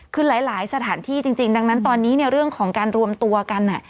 คือหลายสถานที่จริงดังนั้นตอนนี้เนี่ยเรื่องของการรวมตัวกัน